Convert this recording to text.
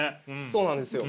そうなんですよ。